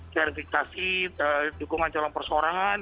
verifikasi dukungan calon persorangan